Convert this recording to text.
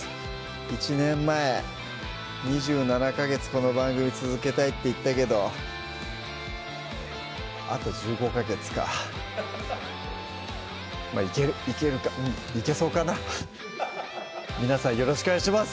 １年前「２７ヵ月この番組続けたい」って言ったけどまぁいけるいけるかうんいけそうかな皆さんよろしくお願いします！